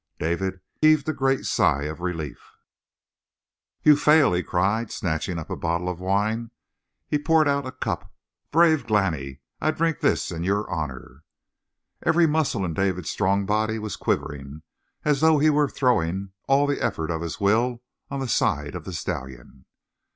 David heaved a great sigh of relief. "You fail!" he cried, and snatching up a bottle of wine, he poured out a cup. "Brave Glani! I drink this in your honor!" Every muscle in David's strong body was quivering, as though he were throwing all the effort of his will on the side of the stallion.